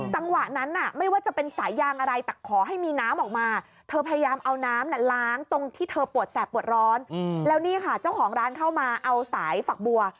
แล้วเนี่ยค่ะเจ้าขอร้านเข้ามาเอาสายฝักบัว